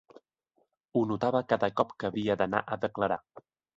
Ho notava cada cop que havia d’anar a declarar.